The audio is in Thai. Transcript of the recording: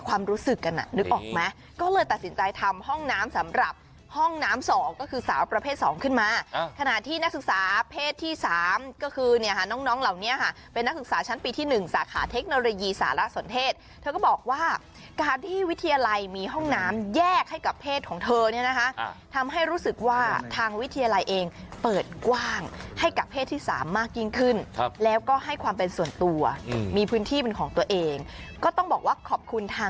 ก็คือสาวประเภทสองขึ้นมาขณะที่นักศึกษาเพศที่สามก็คือน้องเหล่านี้ค่ะเป็นนักศึกษาชั้นปีที่หนึ่งสาขาเทคโนโลยีสารสนเทศเธอก็บอกว่าการที่วิทยาลัยมีห้องน้ำแยกให้กับเพศของเธอเนี่ยนะคะทำให้รู้สึกว่าทางวิทยาลัยเองเปิดกว้างให้กับเพศที่สามมากยิ่งขึ้นแล้วก็ให้ความเป็นส่วนตั